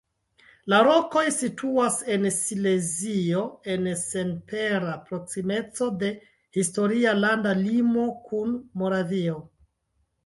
La rokoj situas en Silezio en senpera proksimeco de historia landa limo kun Moravio.